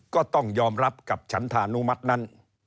ก็ต้องยอมรับกับฉันธานุมัตินั้น